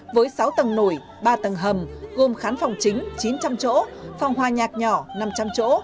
với sáu tầng nổi ba tầng hầm gồm khán phòng chính chín trăm linh chỗ phòng hoa nhạc nhỏ năm trăm linh chỗ